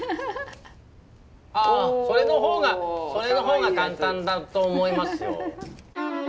あそれの方がそれの方が簡単だと思いますよ。